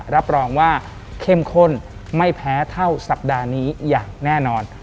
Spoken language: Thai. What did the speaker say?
รับรองว่าเข้มข้นไม่แพ้เท่าสัปดาห์นี้อย่างแน่นอน